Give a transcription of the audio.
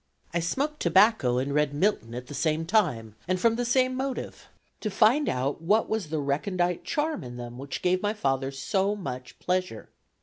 I smoked tobacco and read Milton at the same time, and from the same motive, to find out what was the recondite charm in them which gave my father so much pleasure.